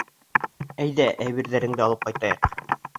— Әйҙә, әйберҙәреңде алып ҡайтайыҡ.